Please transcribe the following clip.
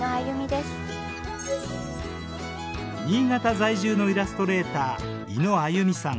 新潟在住のイラストレーター伊野あゆみさん。